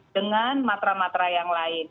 dengan matra matra yang lain